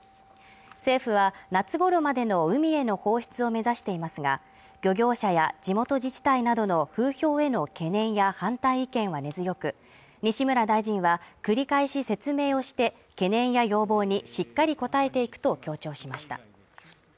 政府は夏頃までの海への放出を目指していますが、漁業者や地元自治体などの風評への懸念や反対意見は根強く、西村大臣は繰り返し説明をして、懸念や要望にしっかり応えていくと強調しました。